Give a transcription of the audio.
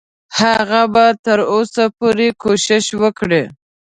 هغه به تر اوسه پورې کوشش وکړي.